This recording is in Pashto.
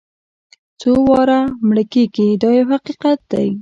څو واره مړه کېږي دا یو حقیقت دی.